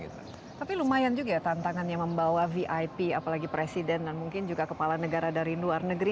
tapi lumayan juga tantangannya membawa vip apalagi presiden dan mungkin juga kepala negara dari luar negeri